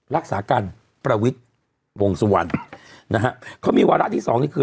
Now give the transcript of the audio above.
รักษาการประวิทย์วงสุวรรณนะฮะเขามีวาระที่สองนี่คือ